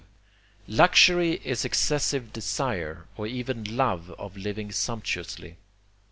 Luxury is excessive desire, or even love of living sumptuously.